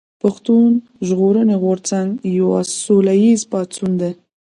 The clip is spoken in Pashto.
پښتون ژغورني غورځنګ يو سوله ايز پاڅون دي